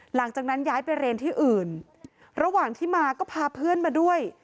หลังจากนั้นย้ายไปเรียนที่อื่นระหว่างที่มาก็พาเพื่อนมาด้วย